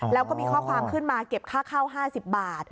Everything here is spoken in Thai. แล้วก็มีข้อความขึ้นมาเก็บค่าเข้า๕๐บาท